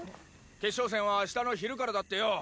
決勝戦は明日の昼からだってよ！